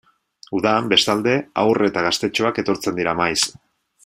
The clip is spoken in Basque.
Udan, bestalde, haur eta gaztetxoak etortzen dira maiz.